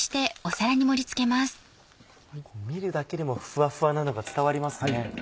見るだけでもふわふわなのが伝わりますね。